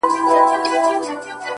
يو ليك;